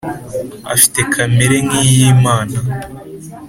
Afite kamere nk iy imana